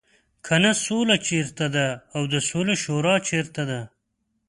کنه سوله چېرته ده او د سولې شورا چېرته ده.